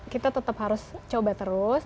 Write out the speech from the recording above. kita tetap harus coba terus